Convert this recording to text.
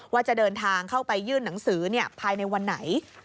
ว่าจะเดินทางเข้าไปยื่นหนังสือภายในวันไหน